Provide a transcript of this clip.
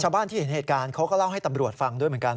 ที่เห็นเหตุการณ์เขาก็เล่าให้ตำรวจฟังด้วยเหมือนกัน